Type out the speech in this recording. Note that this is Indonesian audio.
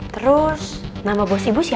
terus nama bos ibu siapa